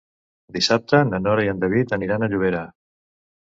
Dissabte na Nora i en David aniran a Llobera.